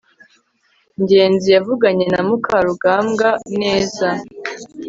ngenzi yavuganye na mukarugambwa neza